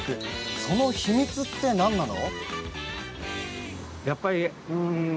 その秘密って何なの？